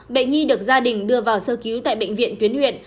bệnh nhi được gia đình đưa vào sơ cứu tại bệnh viện tuyến huyện